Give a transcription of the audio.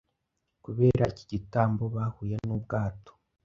kubera iki gitamboBahuye n'ubwato